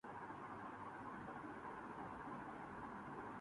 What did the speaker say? جگر کیا ہم نہیں رکھتے کہ‘ کھودیں جا کے معدن کو؟